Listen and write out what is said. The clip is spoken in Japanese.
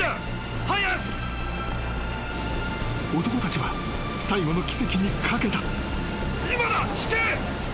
［男たちは最後の奇跡に懸けた］